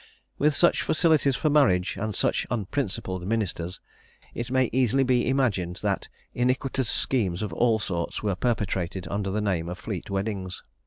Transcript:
With such facilities for marriage, and such unprincipled ministers, it may easily be imagined that iniquitous schemes of all sorts were perpetrated under the name of Fleet weddings.